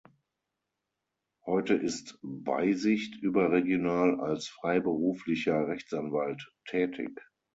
Heute ist Beisicht überregional als freiberuflicher Rechtsanwalt tätig.